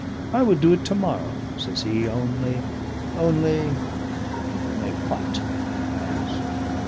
I would do it to morrow!" says he. "Only only " "Only what?" I asked.